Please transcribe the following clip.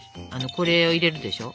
これを入れるでしょ。